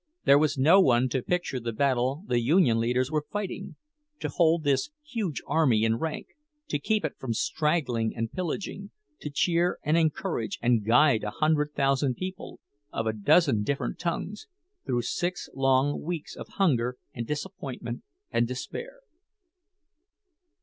There was no one to picture the battle the union leaders were fighting—to hold this huge army in rank, to keep it from straggling and pillaging, to cheer and encourage and guide a hundred thousand people, of a dozen different tongues, through six long weeks of hunger and disappointment and despair.